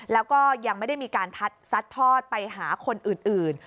แล้วก็ยังไม่ได้มีการซัดทอดไปหาคนอื่น